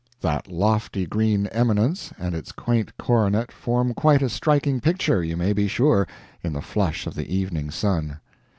That lofty green eminence and its quaint coronet form quite a striking picture, you may be sure, in the flush of the evening sun.